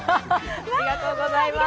ありがとうございます。